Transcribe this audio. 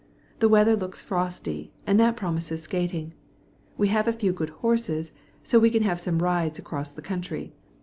The weather looks frosty, and that promises skating. We have a few good horses, so that we can have some rides across the country.